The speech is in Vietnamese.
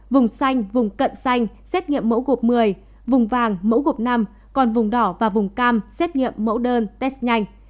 vùng xanh vùng cận xanh xét nghiệm mẫu gộp một mươi vùng vàng mẫu gộp năm còn vùng đỏ và vùng cam xét nghiệm mẫu đơn test nhanh